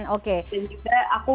oke dan juga aku